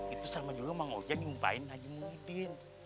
itu sama juga bang ojo nyumpain haji muhyiddin